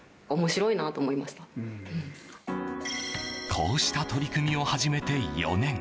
こうした取り組みを始めて４年。